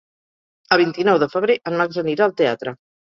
El vint-i-nou de febrer en Max anirà al teatre.